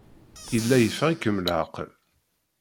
Yella yeffeɣ-ikem leɛqel.